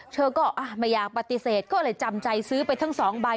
เธอก็ไม่อยากปฏิเสธก็เลยจำใจซื้อไปทั้ง๒ใบ